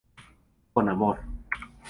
Con amor.